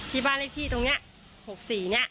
ที่บ้านอีกที่ตรงเนี้ยหกสี่เนี้ยอ่า